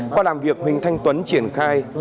qua làm việc huỳnh thanh tuấn triển khai